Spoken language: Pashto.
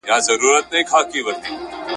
لکه ګل په رنګ رنګین یم خو له خار سره مي ژوند دی `